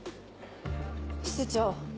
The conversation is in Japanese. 室長。